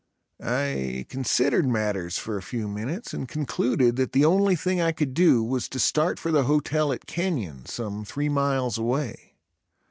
I considered matters for a few minutes and concluded that the only thing I could do was to start for the hotel at Kenyon, some three miles away.